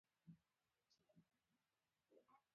هغه خپلې شونډې له هډوکي سره نښلوي.